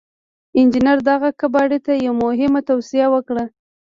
انجنير دغه کباړي ته يوه مهمه توصيه وکړه.